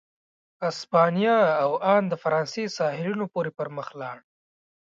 اسپانیا او ان د فرانسې ساحلونو پورې پر مخ ولاړ.